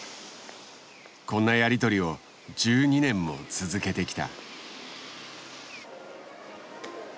こんなやり取りを１２年も続けてきた。